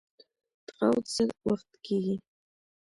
تقاعد څه وخت کیږي؟